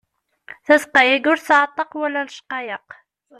Tazeqqa-agi ur tesɛa ṭṭaq wala lecqayeq.